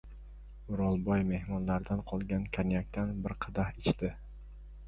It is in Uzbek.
O‘rolboy mehmonlardan qolgan konyakdan bir qadah ichdi.